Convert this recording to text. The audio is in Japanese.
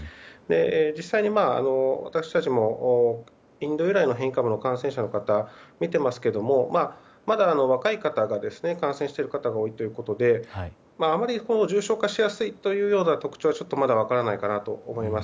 実際に、私たちもインド由来の変異株の感染者の方診ていますけどもまだ若い方で感染している方が多いということであまり、重症化しやすいという特徴はまだ分からないかと思います。